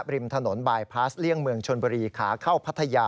ริมถนนบายพาสเลี่ยงเมืองชนบุรีขาเข้าพัทยา